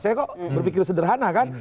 saya kok berpikir sederhana kan